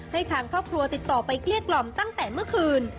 ให้ทางครอบครัวติดต่อไปเกลี้ยกล่อมตั้งแต่เมื่อคืน